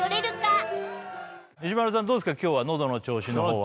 どうですか今日は喉の調子の方は？